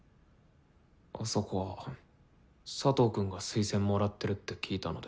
あそこは佐藤くんが推薦もらってるって聞いたので。